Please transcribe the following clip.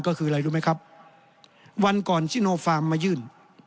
ก็คืออะไรรู้ไหมครับวันก่อนชิโนฟาร์มมายื่น